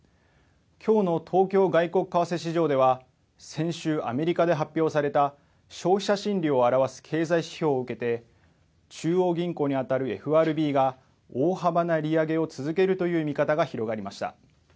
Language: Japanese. きょうの東京外国為替市場では先週、アメリカで発表された消費者心理を表す経済指標を受けて中央銀行に当たるＦＲＢが大幅な利上げを続けるという見方が広がりました。